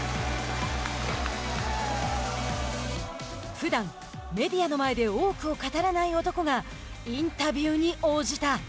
ふだん、メディアの前で多くを語らない男がインタビューに応じた。